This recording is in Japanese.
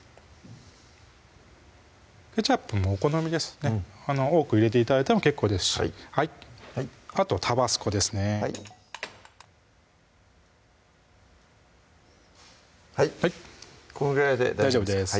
ケチャップもお好みですね多く入れて頂いても結構ですしあとタバスコですねはいこのぐらいで大丈夫ですか？